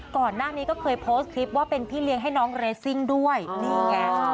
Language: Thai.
ก่อนหน้านี้ก็เคยโพสต์คลิปว่าเป็นพี่เลี้ยงให้น้องเรสซิ่งด้วยนี่ไง